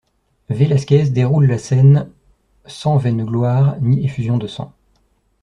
Vélasquez déroule la scène sans vaine gloire ni effusion de sang.